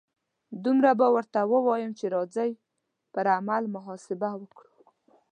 دومره به ورته ووایم چې راځئ پر عمل محاسبه وکړو.